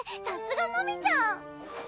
さすが真美ちゃん！